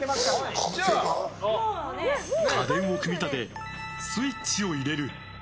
家電を組み立てスイッチを入れる。